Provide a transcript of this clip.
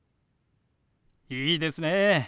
いいですね。